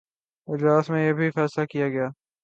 اجلاس میں یہ بھی فیصلہ کیا گیا کہ